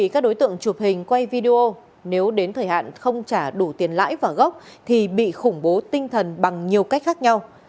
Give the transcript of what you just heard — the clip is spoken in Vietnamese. các đối tượng chụp hình quay video nếu đến thời hạn không trả đủ tiền lãi và gốc thì bị khủng bố tinh thần bằng nhiều cách khác nhau